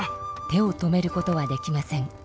手を止めることはできません。